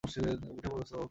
উঠে পড়ো, সোকস।